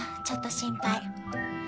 ちょっと心配。